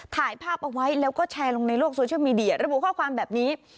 ถ่ายภาพเอาไว้แล้วก็แชร์ลงในโลกโซเชียลมีเดียระบุข้อความแบบนี้